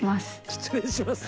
「失礼します」